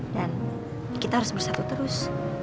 dan kita harus bersatu terus